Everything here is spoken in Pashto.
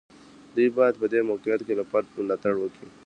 دوی باید په دې موقعیت کې له فرد ملاتړ وکړي.